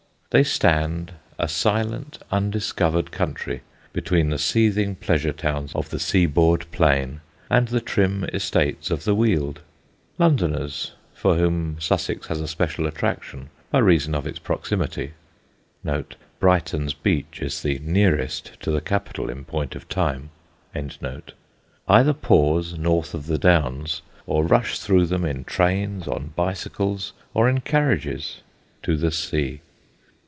They stand, a silent undiscovered country, between the seething pleasure towns of the seaboard plain and the trim estates of the Weald. Londoners, for whom Sussex has a special attraction by reason of its proximity (Brighton's beach is the nearest to the capital in point of time), either pause north of the Downs, or rush through them in trains, on bicycles, or in carriages, to the sea.